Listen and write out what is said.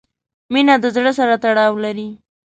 • مینه د زړۀ سره تړاو لري.